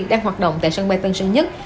đang hoạt động tại sân bay tân sơn nhất